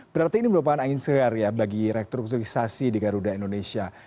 berarti ini merupakan angin segar bagi rektur kulturisasi di garuda indonesia